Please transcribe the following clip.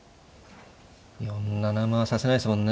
４七馬は指せないですもんね。